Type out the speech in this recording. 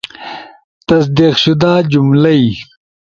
تصدیق شدہ جملئی